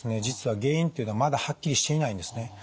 実は原因というのはまだはっきりしていないんですね。